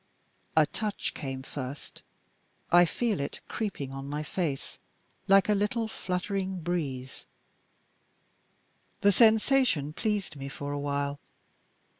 A touch came first. I feel it creeping on my face like a little fluttering breeze. The sensation pleased me for a while.